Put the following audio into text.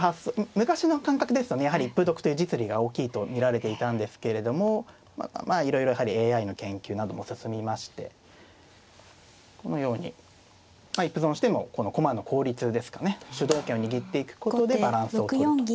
昔の感覚ですとねやはり一歩得という実利が大きいと見られていたんですけれどもまあいろいろやはりＡＩの研究なども進みましてこのように一歩損をしても駒の効率ですかね主導権を握っていくことでバランスをとると。